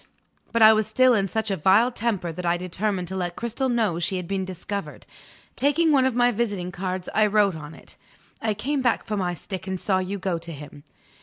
But I was still in such a vile temper that I determined to let Cristel know she had been discovered. Taking one of my visiting cards, I wrote on it: "I came back for my stick, and saw you go to him."